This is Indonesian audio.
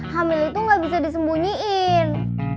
hamil itu gak bisa disembunyiin